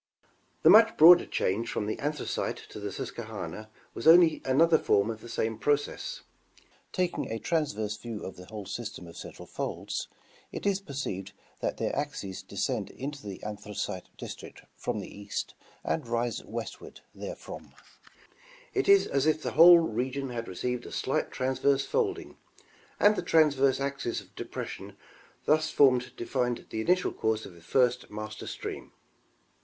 The much broader change from the Anthracite to the Susquehanna was only another form of the same process. Taking a transverse view of the whole system of central, folds, it is perceived that their axes descend into the Anthracite district from the east and rise west ward therefrom ; it is as if the whole region had received a slight transverse folding, and the transverse axis of depression thus formed defined the initial course of the first master stream.